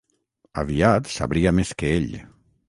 Aviat sabria més que ell